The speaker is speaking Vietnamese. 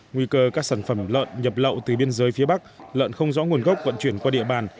nguy cơ các sản phẩm lợn nhập lậu từ biên giới phía bắc lợn không rõ nguồn gốc vận chuyển qua địa bàn